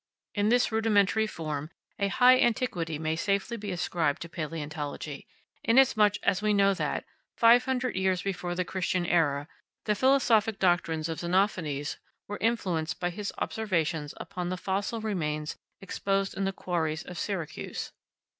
In this rudimentary form, a high antiquity may safely be ascribed to palaeontology, inasmuch as we know that, 500 years before the Christian era, the philosophic doctrines of Xenophanes were influenced by his observations upon the fossil remains exposed in the quarries of Syracuse.